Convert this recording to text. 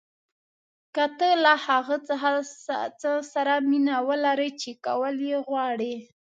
که تۀ له هغه څه سره مینه ولرې چې کول یې غواړې.